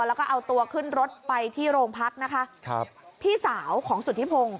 แล้วก็เอาตัวขึ้นรถไปที่โรงพักนะคะครับพี่สาวของสุธิพงศ